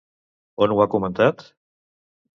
On ho ha comentat?